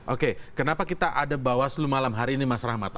oke kenapa kita ada bawaslu malam hari ini mas rahmat